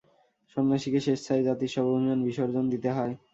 সন্ন্যাসীকে স্বেচ্ছায় জাতির সব অভিমান বিসর্জন দিতে হয়।